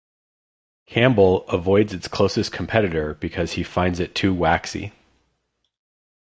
Campbell avoids its closest competitor because he finds it too waxy.